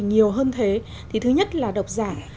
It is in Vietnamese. nhiều hơn thế thì thứ nhất là đọc giả